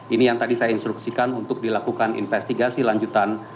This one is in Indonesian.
ini yang tadi saya instruksikan untuk dilakukan investigasi lanjutan